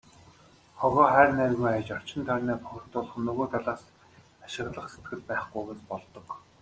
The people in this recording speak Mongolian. Хогоо хайр найргүй хаяж, орчин тойрноо бохирдуулах нь нөгөө талаас ашиглах сэтгэл байхгүйгээс болдог.